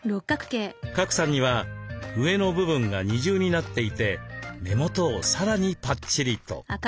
賀来さんには上の部分が二重になっていて目元をさらにぱっちりと。